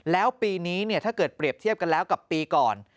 แล้วปีนี้ถ้าเกิดเปรียบเทียบกันแล้วกับปีก่อน